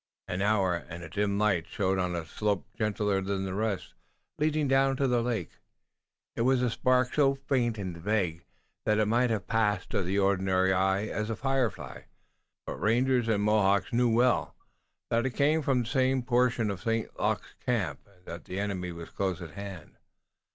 An hour, and a dim light showed on a slope gentler than the rest, leading down to the lake. It was a spark so faint and vague that it might have passed to the ordinary eye as a firefly, but rangers and Mohawks knew well that it came from some portion of St. Luc's camp and that the enemy was close at hand.